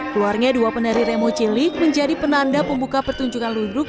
keluarnya dua penari remo cilik menjadi penanda pembuka pertunjukan ludruk